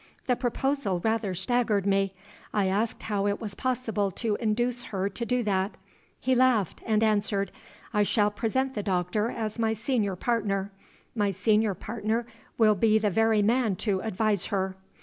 The proposal rather staggered me; I asked how it was possible to induce her to do that. He laughed, and answered, 'I shall present the doctor as my senior partner; my senior partner will be the very man to advise her.